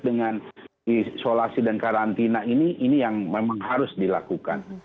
dengan isolasi dan karantina ini ini yang memang harus dilakukan